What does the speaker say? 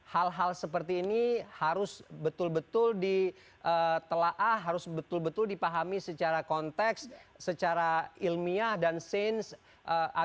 hal hal seperti ini harus betul betul ditelaah harus betul betul dipahami secara konteks secara ilmiah dan sains agar kemudian tidak berlalu terlalu berbahaya